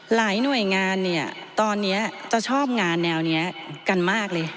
หลายหน่วยงานเนี่ยตอนนี้จะชอบงานแนวนี้กันมากเลย